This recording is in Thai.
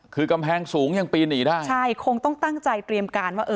คือกำแพงสูงยังปีนหนีได้ใช่คงต้องตั้งใจเตรียมการว่าเออ